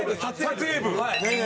「撮影部」！